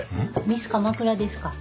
ミス鎌倉ですか？